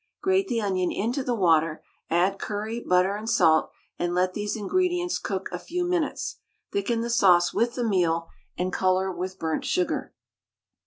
Grate the onion into the water, add curry, butter, and salt, and let these ingredients cook a few minutes. Thicken the sauce with the meal, and colour with burnt sugar.